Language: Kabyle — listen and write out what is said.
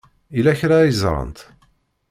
Yella kra ay ẓrant?